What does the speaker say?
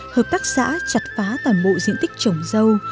hợp tác xã chặt phá toàn bộ diện tích trồng dâu